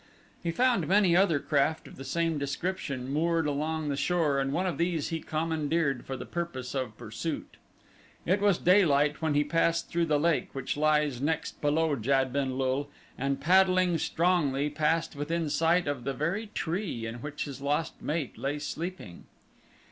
He found many other craft of the same description moored along the shore and one of these he commandeered for the purpose of pursuit. It was daylight when he passed through the lake which lies next below Jad ben lul and paddling strongly passed within sight of the very tree in which his lost mate lay sleeping.